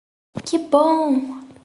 Que bom!